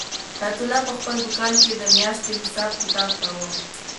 حیات الله په خپل دوکان کې د میاشتې حساب کتاب کاوه.